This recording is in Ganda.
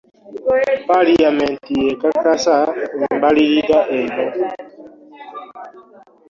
Paliyamenti yekakasa embalirira eno.